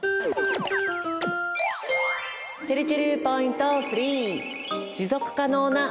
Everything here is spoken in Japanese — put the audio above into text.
ちぇるちぇるポイント３。